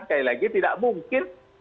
sekali lagi tidak mungkin